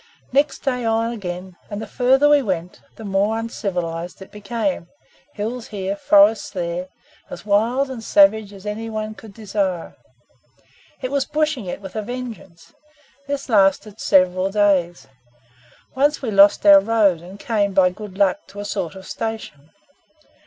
Next day on again, and the farther we went, the more uncivilized it became hills here, forests there, as wild and savage as any one could desire. It was 'bushing it' with a vengeance. This lasted several days. Once we lost our road, and came, by good luck, to a sort of station.